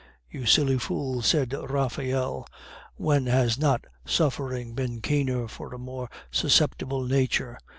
"You silly fool!" said Raphael. "When has not suffering been keener for a more susceptible nature?